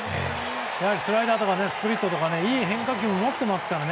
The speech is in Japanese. スライダーとかスプリットとかいい変化球を持っていますからね。